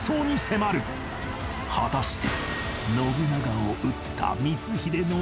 果たして